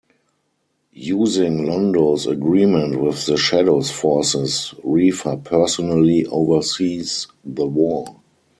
Using Londo's agreement with the Shadows forces, Refa personally oversees the war.